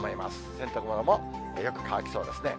洗濯物もよく乾きそうですね。